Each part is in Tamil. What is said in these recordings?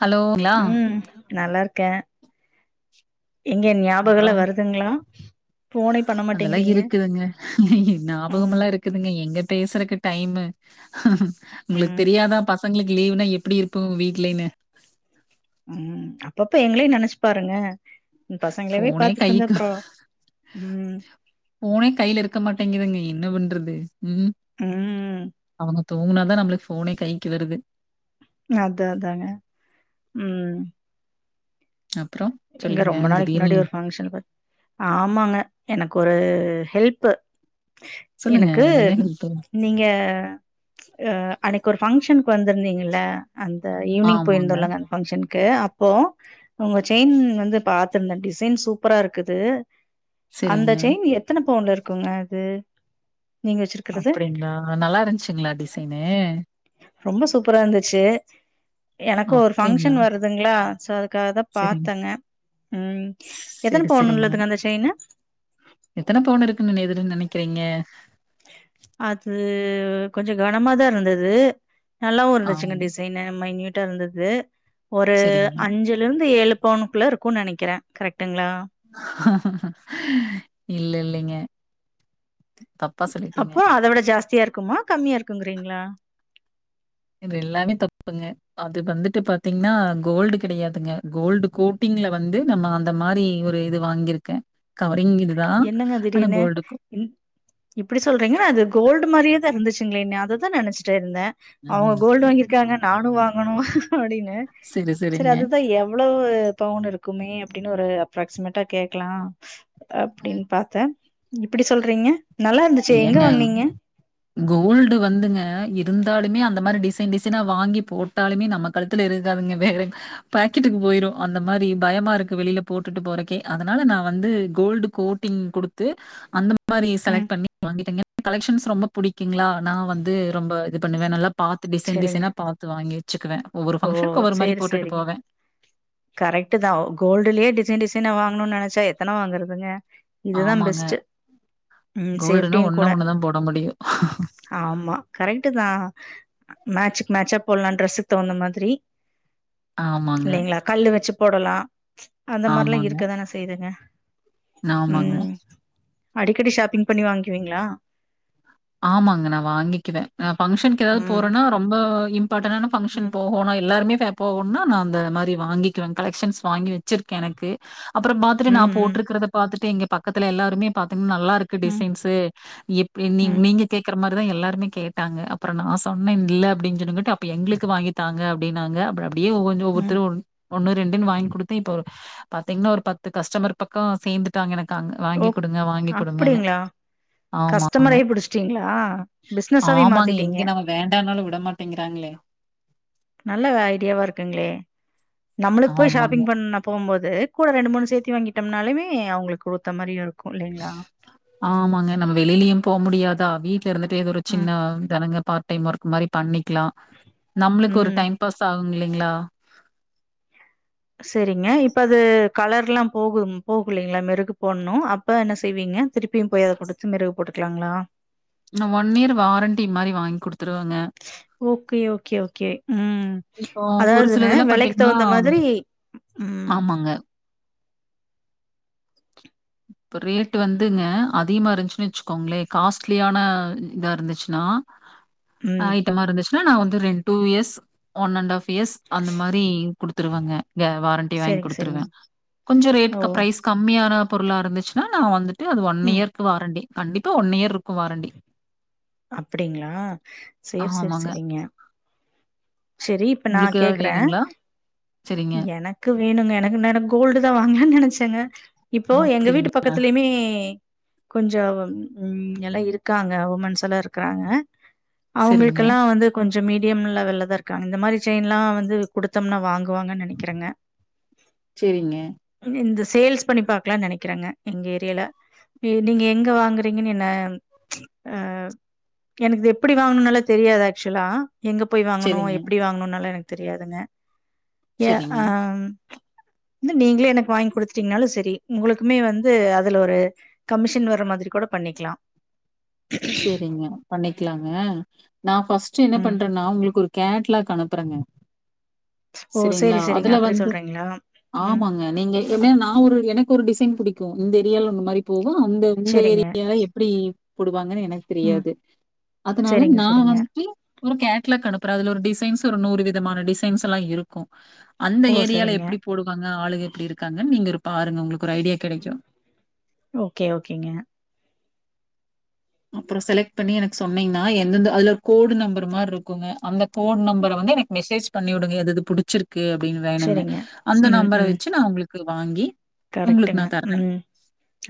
ஹலோங்களா ம் நல்லா ‌ இருக்கே ஏங்க எ ஞாபகலா அப்புறம் வருதுங்களா போனே பண்ண அதெல்லா மாட்டேங்கிறீங்க இருக்குதுங்க ம் ஞாபகமால்லா இருக்குதுங்க எங்க பேசறக்கு டைமு உங்களுக்கு ம் தெரியாதா பசங்களுக்கு லீவ்னா எப்டி இருப்போ வீட்லைன்னு அப்பப்ப எங்களயும் நெனச்சு பாருங்க உங்க பசங்களவே ஃபோனே பாத்துட்டு இருந்தா கைக்கு அப்றோ ம் ஃபோனே கைல இருக்க மாட்டேங்குதுங்க என்ன பண்றது ம் ம் அவுங்க தூங்குனா தான் நம்மளுக்கு ஃபோனே கைக்கு வருது அதா அதாங்க ம் அப்புறம் ஏங்க சொல்லுங்க ரொம்ப நாளைக்கு முன்னாடி திடீர்னு ஒரு ஃபங்க்ஷன்ங்க ஆமாங்க எனக்கொரு ஹெல்ப் சொல்லுங்க எனக்கு என்ன ஹெல்ப்பு நீங்க அன்னக்கு ஒரு ஃபங்க்ஷனுக்கு வந்திருந்தீங்கல அந்த ஈவினிங் ஆமாங்க போயிருந்தலங்க அந்த ஃபங்க்ஷனுக்கு இருக்கு அப்போ ‌ உங்க செய்ன் வந்து பாத்துருந்த டிசைன் சூப்பரா இருக்குது அந்த சரிங்க செய்ன் எத்தன பவுன் இருக்குங்க அது அப்டிங்களா நல்லா இருந்ச்சுங்களா டிசைனு ரொம்ப சூப்பரா இருந்துச்சு எனக்கும் ஒரு அப்டிங்களா பஃங்க்ஷன் வருதுங்களா சோ அதுக்கா க தான் சரிங்க பாத்தங்க ம் எத்தன சரி பவுன்ல சரிங்க உள்ளதுங்க அந்த செய்னு எத்தன பவுனு இருக்குன்னு இதுனு நெனைக்கிறீங்க அது கொஞ்ச கனமா தான் இருந்தது நல்லாவு இருந்துச்சுங்க ஆமா டிசைனு மைநுயூட்டா இருந்தது ஒரு சரிங்க அஞ்சுல இருந்து ஏழு பவுனுக்குள்ள இருக்குனு நெனைக்கிறே கரெ்க்ட் இல்ல இல்லிங்க அப்போ அத விட ஜாஸ்தியாருக்குமா கம்மியா இருக்குங்றீங்ளா இது எல்லாமே தப்புங்க அது வந்துட்டு பாத்தீங்னா கோல்டு கிடையாதுங்க கோல்டு கோட்டிங் ங்ல வந்து நம்ம அந்த மாரி ஒரு இது வாங்கிருக்கே கவ் என்னங்க திடீர்னு இப்டி ம் சொல்றீங்க ‌அது கோல்டு மாரியே தா ‌இருந்துச் சுங்ளே ந அத தா நெனச்ட்டே இருந்த அவுங்க ம். கோல்டு வாங்கிருக்காங்க நானு வாங்கணு அப்டின்னு சரி, செரி சரிங்க. அதுதா எவ்ளோவு பவுன் இருக் குமே அப்டின் ஒரு அப்ராக்சிமேட்டா கேக்லா அப்டின் பாத்தா இப்டி சொல்றீங்க நல்லா இருந்துச்சே எங்க ஏங்க வாங்னீங்க கோல்டு வந்துங்க இருந்தாலுமே அந் த மாரி டிசைன் டிசைனா வாங்கி போட்டாலுமே நம்ம கழுத்தில இருக்காதுங்க வேற பாக்கெட்டுக் போயிரு அந்த மார் ரி பயமா இருக்கு வெளியில போட்டுட்டு போறக்கே அதனால நா வந்து கோல்டு கோட்டிங் குடுத்து அந்த மாரி ம் செலக்ட் பண்ணி வாங்கிட்டங்கே கலெக்க்ஷன்ஸ் ரொம்ப புடிக்குங்ளா நா வந்து ரொம்ப இது பண்ணுவே நல்லா பாத்து டிசைன் சரிங்க டிசைனா பாத்து வாங்கி வச்சுக்குவே ஒவ்வொரு ஓ ஃபங்க்ஷன்க் ஒவ்வொரு மாரி போட்டுட்டு போவே கரெட்டு தா கோல்டுலேயே டிசைன் டிசைனா வாங்கணுன் நெனச்சா எத்தன வாங்குறதுங்க இதுதா ஆமாங்க. பெஸ்ட்டு ம் கோல்டுனா சேப்டியு ஒண்ணே கூட ஒண்ணு தான் போட முடியும். ஆமா கரெட்டு தா மேச்சுக் மேச்சா போட்லா ட்ரெஸ்ஸுக்கு தகுந்த மாதிரி ஆமாங்க து வச்சு போடலா அந்த மார்லா இருக்க தான செய்துங்க நாமாங்க அடிக்கடி ஷாப்பிங் பண்ணி வாங்குவீங்ளா ஆமாங்க நா வாங்கிக்குவே நா ஃபங்க்ஷனுக் ஏதாவத் ம் போறேனா ரொம்போ பட் என்னான ஃப்ங்க்ஷன் ம் போவோனா எல்லாருமே ஃபே போவோனா நா அந்த மாரி வாங்கிக்வே கலெக்க்ஷன்ஸ் வாங்கி வ ச்சிருக்கே எனக்கு அப்றோ பாத்துட்டு நா ம் ம் போட்ருக்கறத பாத்துட்டு இங்க பக்கத்துல எல்லாருமே பா து நல்லா இருக்கு ம் டிசைன்ஸு எப்பே நீ ம் நீங்க கேக்கற மாரிதா எல்லாருமே கேட்டாங்க அப்றோ நா சொன்னே இல்ல அப்டின் சொல்லுங்கட்டு அப்ப எங்களுக்கு வாங்கித்தாங்க அப்டி ன்னாங்க அப்டி அப்டியே ஒவ்வொர்த்ரு ம் ஒவ்வொத்துரு ஒன்னு ரெண்டுன் வாய்ங் குடுத்தே இப்போ பாத்தீங்னா ஒரு பத்து கஸ்டமர் பக்கோ சேந்துட்டாங்க எனக் காங்க ஓ வாங்கி குடுங்க வாங்கி குடுங்கன்னு அப்டிங்களா ஆமாங்க கஸ்டமரே புடிச்சிட்டீங்களா பிசினஸாவே ஆமாங்க மாத்திட்டீங்க எங்க நம்ம வேண்டானாலு விட மாட்டேங்கிறாங்ளே நல்ல ஐடியாவா இருக்குங்ளே நம்மளுக் போய் ஆமாங்க. ஷாப்பிங் பண்ண போம்போது கூட ரெண்டு மூணு சேத்தி வாங்கிட்டம்னாலுமே அவுங்களுக் கூத்த மாரி இரு ஆமாங்க நம்ம வெளியிலயும் போவ் முடியாதா வீட்ல இருந்துட்டு ஏதோ ஒரு ம் சின்னா தெனங்க பார் டைம் ஒர்க் மாரி பண்ணிக்லா நம்ளுக்கு ஒரு ம் டைம் பாஸ் ஆ கும் இலைங்ளா செரிங்க இப்ப அது கலர்ல்லா போகும் போகுலீங்ளா மெருகு போனு அப்ப என்ன செய்வீ ங்க திருப்பியு போய் அத குடுத்து மெருகு போட்டுக்லாங்ளா நா ஒன் இயர் வாரண்டி மாரி வாய்ங் குடுத்துருவங்க ஓகே ஓகே ஓகே ம் இப்போ ஒரு அதாவதுங்க சிலதெல்லாம் வெலைக் பார்த்தீங்கன்னா தகுந்த மாதிரி ம் ஆமாங்க. இப்ப ரேட் வந்துங்க அதிகமா இருந்துச்சுன் வச்சுக்கோங்ளே காஸ்ட்லியான இதா இருந்துச்னா ஆ ம் ஐட்டமா இருந்துச்னா நா வந்து ரெண் டூ இயர்ஸ் ஒன் அண்ட் ஆப் எஸ் அந்த மாரி குடுத்துருவாங்க வே வாரண்டி வாய்ங் சரிங்க குடுத்துருவே சரிங்க கொஞ்சோ ரேட் ஓ க பிரைஸ் கம்மியான பொருளா இருந்துச்னா நா வந்துட்டு அது ஒன் ம் இயர்கு வாரண்டி கண்டிப்பா ஒன் இயருக்கு வாரண்டி அப்டிங்ளா செர் செர் ஆமாங்க. செரிங்க செரி இப்ப நா உங்களுக்கு ஏதாவது கேக்ற வேணுங்களா? சரிங்க. எனக்கு வேணுங்க எனக் என்னனா கோல்டு தா வாங்லான் நெனச்சங்கே இப்போ எங்க அப்படிங்க. வீட்டு பக்கத்திலயுமே கொஞ்சோ ம் எல்லா இருக்காங்க உமென்ஸ் எல்லா இருக்கறாங்க சரிங்க. அவுங்களுக்கெல்லா வந்து கொஞ்சோ மீடியம் லெவல்ல தா இருக்காங்க இந்த மாரி செயின்லா வந்து குடுத்தோம்னா வாங் குவாங்க நெனைக்கிறேங்க சரிங்க, இந்த சேல்ஸ் பண்ணி பாக்கலாம்னு நெனைக்கிறேங்க எங்க ஏரியில நீங்க எங்க வாங்குறீங்கன்னு என்ன அ எனக்கு இது எப்டி வாங்கணுனால தெரியாது ஆக்சுவலா எங்க போய் வாங்கணு சரிங்க, எப்டி வாங்கணுனால எனக்கு தெரியாதுங்க ஏ சரிங்க, ஆ [inaudible] ந்து நீங்களே எனக்கு வாங்கி குடுத்துட்டீங்கனாலு செரி உங்களுக்குமே வந்து அதுல ஒரு கமிஷன் வர மாதரி கூட பண் ணிக்கிளா செரிங்க பண்ணிக்கலாங்க நா ஃபஸ்ட்டு என்ன ம் பண்றேன்னா உங்களுக்கு ஒரு கேட்லாக் அனுப்புறேங்க ஓ செரிங்களா சேரி சேரிங்க அதுல அப்டி வந்து சொல்றீங்களா ம் ஆமாங்க நீங்க எப்டியு நா ஒரு எனக்கு ஒரு டிசைன் புடிக்கு இந்த ஏரியால உன்னு மாரி போகு அந்த உங்க சேரிங்க ஏரியால எப்டி போடு வாங்கன்னு எனக்கு ம் தெரியாது அதனால சேரிங்க நா சேரிங்க வந்துட்டு ஒரு கேட்லாக் அனுப்புறே அதுல ஒரு டி சைன்ஸ் ஒரு நூறு விதமான டிசைன்ஸ்யெல்லா இருக்கு அந்த ஓ ஏரியால சரிங்க எப்டி போடுவாங்க ஆளுக எப்டி இருக் காங்க நீங்க ஒரு பாருங்க உங்களுக்கு ஒரு ஐடியா கிடைக்கும். ஓகே ஓகேங்க அப்றோ செலக்ட் பண்ணி எனக்கு சொன்னீங்கன்னா எந்தந்த அதுல கோடு நம்பர் மாறு இருக்குங்க அந்த கோடு நம்பர வ ந்து எனக்கு மெசேஜ் பண்ணி விடுங்க ஏதாது புடிச்சிரு க்கு அப்டின்னு வேணுனு சேரிங்க அந்த நம்பர வச்சு நா உங்களுக்கு வாங்கி உங்களுக்கு கரெக்டுங்க நான் தர்றேன். ம்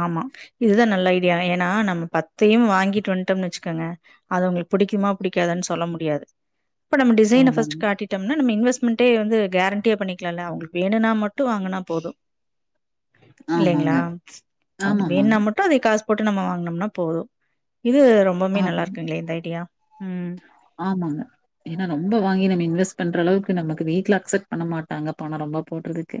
ஆமா இதுதா நல்ல ஐடியா ஏன்னா நம் ம பத்தையு வாங்கிட்டு வந்துட்டோம்னு வச்சுக்கோங்க அது உங்களுக்கு புடிக்குமா புடிக்காதன்னு சொல்ல முடியாது இப்ப நம்ம டிசைன ஆமாங்க. ஃபர்ஸ்ட் காட்டோம்னா நம இன்வஸ் மெண்ட்டே வந்து கேரண்டியா பண்ணிக்கலாம்ல அவுங்களுக்கு வேணுனா மட்டு வாங்குனா போது இல்லைங்களா ஆமாங்க. அவு ஆமாமாங்க. வேணா மட்டு அதை காசு போட்டு நம்ம வாங்கினோம்னா போது இது ரொம்பவுமே நல்லா ஆமாங்க. இருக்குங்களே இந்த ஐடியா ம் ஆமாங்க ஏன்னா ரொம்ப வாங்கி நம்ம இன்வெஸ்ட் பண்ற அளவுக்கு நமக்கு வீட்ல அக்செப்ட் பண்ண மாட்டாங்க பண ரொம் ம்ப போட்றதுக்கு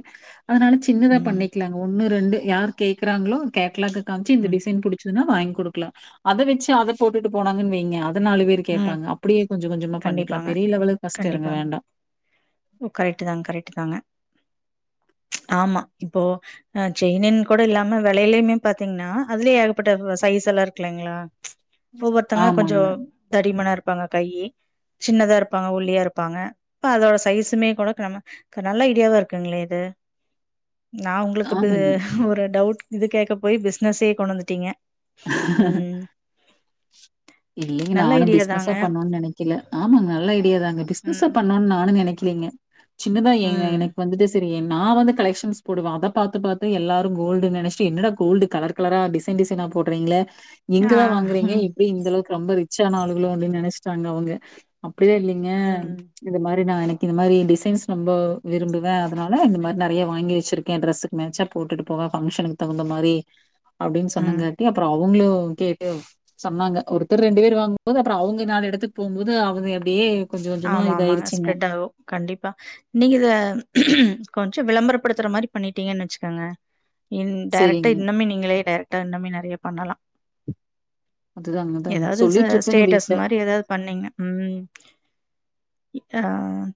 அதனால சின்னதா ம் பண்ணிக்கலாங்க ஒன்னு ரெண்டு யார் கேட்கறாங்களோ கேட்லாக்க காமிச்சு இந்த ம் டிசைன் புடிச்சுதுன்னா வாங்கி குடுக்கலா அத வச்சு அத போட்டுட்டு போனாங்கன்னு வைங்க அத நாலு பேரு ம் கேட்பாங்க அப் அப்டியே கொஞ்சோ கொஞ்சோமா பண்ணிக்கலா கண்டிப்பாங்க பெரிய லெவலுக்கு ஃபஸ்ட்டு எறங்க வேண்டா ஓ கரெக்ட் தா கரெக்ட்டு தாங்க ஆமா இப்போ அ செயினுன் கூட இல்லாம வளையாலுமே பாத்தீங்கன்னா அதுலியே ஏகப்பட்ட சைஸ் எல்லா இருக்குலைங்களா ஒவ்வொருத்தங்க கொஞ்சோ ஆமாங்க, தடிமனா இருப்பாங்க கையி சின்னதா இருப்பாங்க ஒல்லியா இருப்பாங்க அதோட சைஸுமே கூடக்கு நம்ம க நல்ல ஐடியாவா இருக்குங்களே இது நா உங்களுக்கு இது ஆமாங்க. ஒரு டவுட் இது கேட்க போய் பிசினஸே கொண்டுந்துட்டீங்க இல்லி நல்ல நானு ஐடியா தாங்க பிசனஸ்ஸ பண்ணுவன்னு நெனைக்கல ஆமா நல்ல ஐடியா தாங்க பிசினஸ்ஸா ம் பண்ணு நானு நெனைக்கலீங்க சின்னதா என ம் எனக்கு வந்துட்டு செ ரி நா வந்து கலெக்ஷன்ஸ் போடுவே அத பாத்து பத்து எல்லாரு கோல்டு நெனைச்சுட்டு என்னட கோல்டு கலர் கலரா டிசைன் டிசைனா போடுறீங்களே ஆ எங்கதா வாங்குறீங்க ம் எப்டி இந்த அளவுக்கு ரொம்ப ரிச்சான ஆளுகளோ அப்டின் நெனைச் சாங்க அவுங்க அப்டியே இல்லைங்க ம் இந்த மாரி நா எனக் கு இந்த மாரி டிசைன்ஸ் ரொம்ப விரும்புவே அதனால இந்தமாரி நெறைய வாங்கிச்சிருக்கே டிரெஸுக்கு மேட்ச்ச போட்டு போ வா ஃபங்ஷனுக்கு தகுந்த மாரி அப்டின்னு ம் சொன்னங்க அவுங்களு கேட்டு சொன்னாங்க ஒருத்தர் ரெண்டு பேரு வாங்குபோது அப்றோ அவுங்க நாலு எடத்துக்கு போம்போது அவுங்க அப்டியே கொஞ்சம் கொஞ்சமா ஆமா ஆமாங்க இதாயிருச்சுங்க. ஸ்ப்ரெட் ஆகு கண்டிப்பா நீங்க இத கொஞ்சோ விளம்பரப்படுத்துற மாரி பண்ணிட்டீங்கன்னு வச்சுக்கோங்க இன் டடைரெக்டா சரிங்க. இன்னமே நீங்களே டைரக் ட இன்னமே நெறைய பண்ணலா அதுதாங்க அதாங்க ஏதாவது ச சொல்லிட்ருக்கேங்க ஸ்டேட்டஸ் வீட்ல. மாரி ஏதாவுது பண்ணீங்க ம் ஆ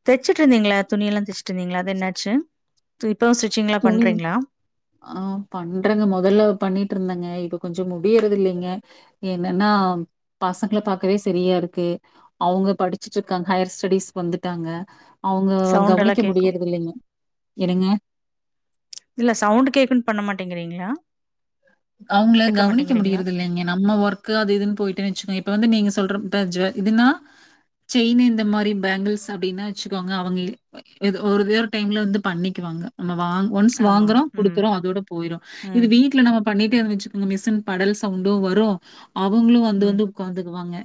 தச்சுட்டு இருந்தீங்களா துணி எல்லா தைச்சுட்டு இருந்தீங்களா அது என்னாச்சு [inaudible] துணி பண்றீங்களா? ஆ பண்றங்க மொதல்ல பண்ணிட்டு இருந்தாங்க இப்போ கொஞ்சோ முடியறது இல்லைங்க என்னன்னா பசங்களை பாக்கவே சரியா இருக்கு அவ்ங் க படிச்சட்டு இருக்காங்க ஹையர் ஸ்டடிஸ் வந்துட்டாங்க அவ்ங்க சவுண்ட் கவனிக்க எல்லாம் கேக்கும். முடியறதில்லைங்க என்னங்க இல்ல சவுண்ட் கேக்குன்னு பண்ண மாட்டேங்கறீங்களா அவங்கள கவனிக்க முடியறதில்லைங்க நம்ம ஒர்க்கு அது இதுன்னு போயிட்ட வெச்சுக்கோ இப்ப வந்து நீங்க சொல்ற பேஞ்சுவ இதுன்னா செயினு இந்த மாரி பேங்கிள்ஸ் அப்டின்னா வச்சுக்கோங்க அவங்க இ இது ஒரே ஒரு டைம்ல வந்து பண்ணிக்கு வாங்க நம்ம வா ஒன்ஸ் ஆமாங்க. வாங்கறோ ம் குடுக்குறோ அதோட போய்ரு இது ம் வீட்ல நம்ம பண்ணிட்டே வச்சுக்கோங்க மிஷின் படல் சவுண்டு வரு அவங்களு வந்து ம் வந்து உக்காந்துக்குவாங்க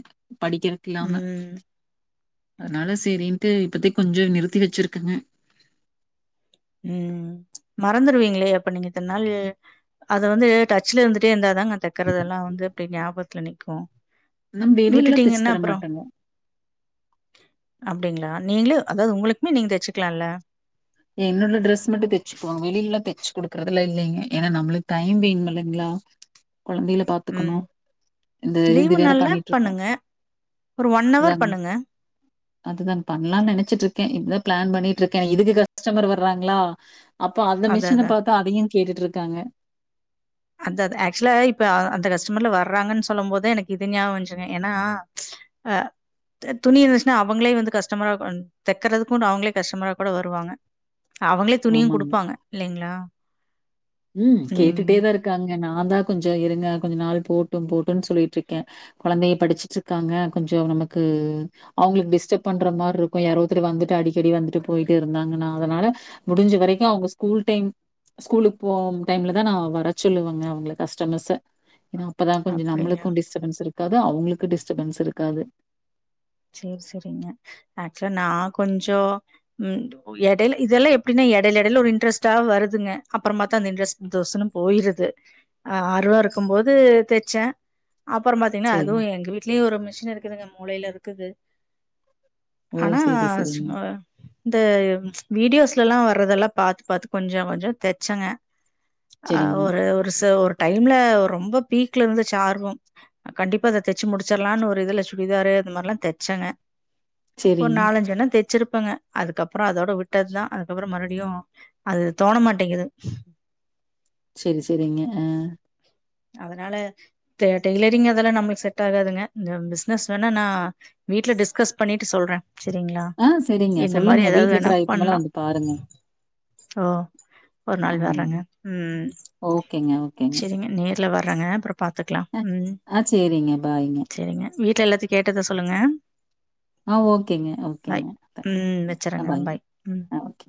படிக்கறக்கில்லாம ம் அதனால சரின்ட்டு இப்பத்தி கொஞ்சோ நிறுத்தி வச்சிருக்கங்க ம் மறந்துருவீங்களே அப்ப நீங்க இத்தன்னாள் அத வந்து டச்ல இருந்துட்டே இருந்தாதாங்க தக்கறதெல்லா வந்து அப்டி ஞாபகத்துல நிக்கு நம் வெளில எல்லா தச்சு தர மாட்டங்க அப்டிங்ளா நீங்களே அதாவது உங்களுக்குமே நீங்க தச்சுக்கலால்ல என்னோட ட்ரெஸ் மட்டு தச்சுக்குவ வெளிலலா தச்சு குடுக்குறதுலா இல்லங்க ஏனா நம்மளுக்கு டைம் வேணு இல்லைங்களா கொழந்தைகள பாத்துக்கணு ம் இந்த லீவு இது வேற நாள்ல பண்ணிட்ருக்கோ பண்ணுங்க ஒரு ஒன் அவர் அதாங் பண்ணுங்க அதுதாங் பண்லான் நெனச்சிட்டு இருக்க இப்பதா ப்ளான் பண்ணிட்ருக்க இதுக்கு க கஸ்டமர் வர்றாங்களா அப்போ அந்த அத அத மிஷின பாத்து அதையு கேட்டுட்டு இருக்காங்க அதா அதா ஆக்சுவலா இப்ப அ அந்த கஸ்டமர்லா வர றாங்கனு சொல்லும் போதா எனக்கு இது ஞாபம் வஞ்சுங்க ஏன்னா அ த துணி இருந்துச்சுன்னா அவங்களே வந்து கஷ்டமரா தெக்கறதுக்கு அவங்களே கஷ்டமரா கூட வருவாங்க அவங்களே துணியு ஆமாங்க. குடுப்பாங்க இல்லலைங்களா ம் கேட்டுட்டேதா இருக் காங்க நா தா கொஞ்ச இருங்க கொஞ்ச நாள் போட்டு போட்டுன் சொல்லிட்ருக்க கொழந்தைய படிச்சிட்டு இருக்காங்க கொஞ்சோ நமக்கு அவங்களுக்கு டிஸ்டர்ப் பண்ற மாரி இருக்கு யாரோ ஒருத்தர் வந்துட்டு அடிக்கடி வந்துட்டு போய்ட்டு இருந்தா னா அதனால முடிஞ்ச வரைக்கு அவங்க ஸ்கூல் டைம் ஸ்கூலுக் போம் டைம்ல தா நா வர சொல்லுவங்க அவங்கள கஸ்டமர்ஸ ஏனா அப்பதா கொஞ்சோ அப்டிங்களா நம்மளுக்கு டிஸ்டபன்ஸ் இருக்காது அவங்களுக்கு டிஸ்ட்பன்ஸ் இருக்காது சேரி சேரிங்க ஆக்சுவலா நா கொஞ்சோ ம் எடைல இதெல்லா எப்டினே எடைல எடைல ஒரு இன்டரெஸ்ட்டா வருதுங்க அப்பறோ பாத்தா அந்த இண்ட்ரஸ்ட் தொஸ்சுன்னு போய்ருது ஆறுவ இருக்கும்போது தச்சே அப்பறோ பாத்தீங்கனா அதுவு சரிங்க. எங்க வீட்லயு ஒரு மிஷின் இருக்குதுங்க மூலைல இருக்குது ஓ! ஆனா சரி, சோ சரிங்க. இந்த வீடியோஸ்ல எல்லா வர்றதெல்லா பாத்து பாத்து கொஞ்சோ கொஞ்சோ தச்சங்க ஆ சரிங்க. ஒரு ஒரு ஒரு டைம்ல ரொம்ப பீக்ல இருந்துச்சு ஆர்வம் கண்டிப்பா அத தச்சு முடிச்சிற்லானு ஒரு இதுல சுடிதாரு அந்த மாரில்லா தச்சங்க ஒரு சரிங்க. நாலஞ்சு வேணா தச்சிருப் ப்பங்க அதுக்கப்பறோ அதோட விட்டதா அதுக்கப்புறோ மறுபடியு அது தோண மாட்டேங்குது சேரி சேரிங்க ஆ அதனால டெ டெய்லரிங் அதெல்லா நம்மளுக்கு செட் ஆகாதுங்க இந்த பிசினஸ் வேணா நா வீட்ல டிஸ்கஸ் பண்ணிட்டு சொல்ற செரிங்களா ஆ சரிங்க. இந்த மாரி சொல்லுங்க. ஏதாவது வீட்ல வேணா இருக்கிற பண்லா ஐட்டமெல்லாம் வந்து பாருங்க. ஓ ஒரு நாள் ம். வர்றேங்க ம் ஓகேங்க, ஓகேங்க. செரிங்க நே ர்ல வர்றங்க அப்றோ பாத்துக்கலா அ ம் ஆ சரிங்க. பாய்ங்க. செரிங்க வீட் ல எல்லாத்தையு கேட்டதா சொல்லுங்க ஆ ஓகேங்க, பாய் ஓகேங்க. ம் ஆ வச்சறங்க பாய்ங்க. பாய் ம் ஆ ஓகே.